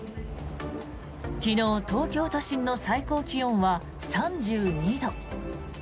昨日、東京都心の最高気温は３２度。